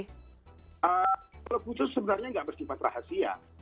kalau kucur sebenarnya tidak bersifat rahasia